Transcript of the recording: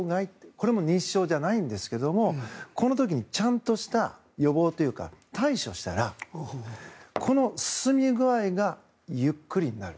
これも認知症じゃないんですけどこの時にちゃんとした予防というか対処したらこの進み具合がゆっくりになる。